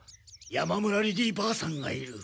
山村リリーばあさんがいる。